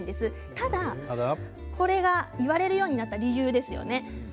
ただこれが言われるようになった理由ですよね。